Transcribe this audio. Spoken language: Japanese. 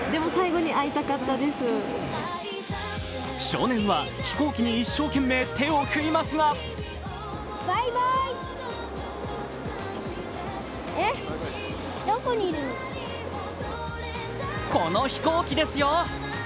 少年は飛行機に一生懸命手を振りますがこの飛行機ですよ。